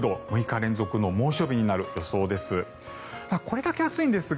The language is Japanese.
６日連続の猛暑日になる予想です。